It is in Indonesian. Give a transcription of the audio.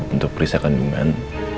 untuk periksa kandungan